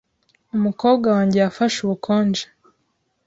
Umukobwa wanjye yafashe ubukonje .